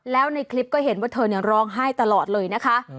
แล้วในคลิปก็เห็นว่าเธอร้องไห้ตลอดเลยนะคะ